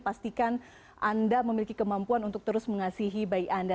pastikan anda memiliki kemampuan untuk terus mengasihi bayi anda